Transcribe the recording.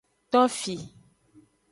Tofi.